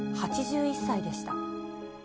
８１歳でした。